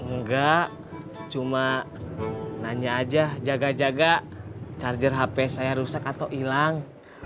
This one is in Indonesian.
enggak cuma nanya aja jaga jaga charger hp saya rusak atau hilang